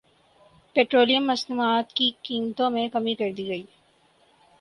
petroleum مصنوعات کی قیمتوں میں کمی کردی گئی